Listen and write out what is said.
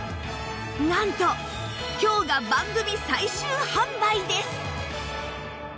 なんと今日が番組最終販売です！